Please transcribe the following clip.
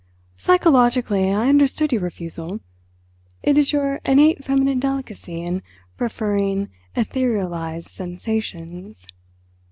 "Psychologically I understood your refusal. It is your innate feminine delicacy in preferring etherealised sensations....